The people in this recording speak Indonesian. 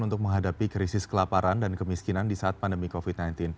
untuk menghadapi krisis kelaparan dan kemiskinan di saat pandemi covid sembilan belas